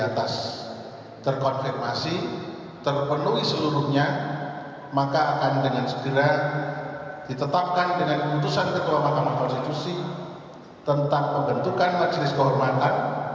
atas terkonfirmasi terpenuhi seluruhnya maka akan dengan segera ditetapkan dengan keputusan ketua mahkamah konstitusi tentang pembentukan majelis kehormatan